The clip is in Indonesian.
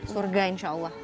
surga insya allah